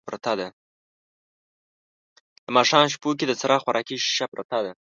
د ماښام شپو کې د څراغ خواکې شیشه پرته ده